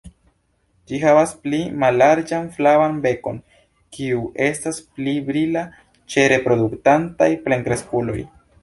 Ĝi havas pli mallarĝan flavan bekon, kiu estas pli brila ĉe reproduktantaj plenkreskuloj.